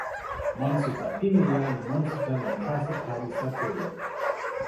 monsuta pimeja li monsuta lon kasi palisa telo.